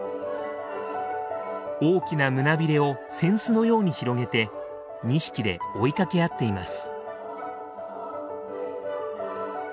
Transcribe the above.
大きな胸びれを扇子のように広げて２匹で追いかけ合っています。